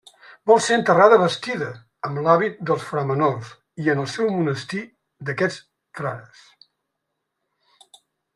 Vol ser enterrada vestida amb l’hàbit dels framenors i en el seu monestir d’aquests frares.